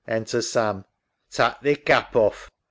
Enter Sam) Tak' thy cap off.